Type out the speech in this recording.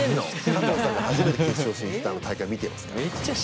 カトウさんが初めて決勝進出した大会見てますから。